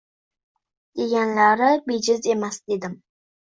Deganlari bejiz emas dedim.